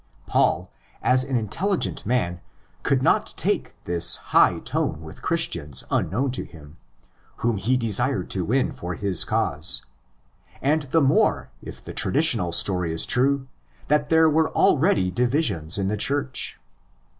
Paul as an intelligent man could not take this high tone with Christians unknown to him, whom he desired to win for his cause; and the more if the traditional story is true that there were already divisions in the Church.